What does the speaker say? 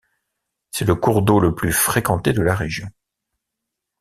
C'est le cours d'eau le plus fréquenté de la région.